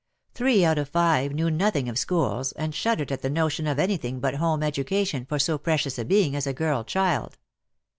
Three out of five knew nothing of schools, and shuddered at the notion of anything but home education for so precious a being as a girl child.